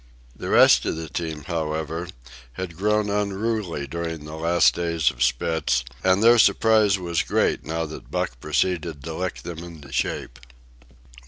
The rest of the team, however, had grown unruly during the last days of Spitz, and their surprise was great now that Buck proceeded to lick them into shape.